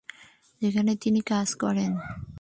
যেখানে তিনি কাজ করেন।